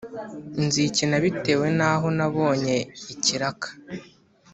nzikina bitewe n’aho nabonye ikiraka